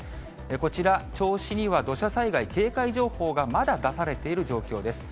こちら、銚子には土砂災害警戒情報がまだ出されている状況です。